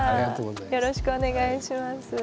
よろしくお願いします。